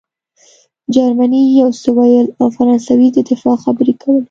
جرمني یو څه ویل او فرانسې د دفاع خبرې کولې